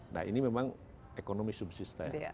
nah ini memang ekonomi subsisten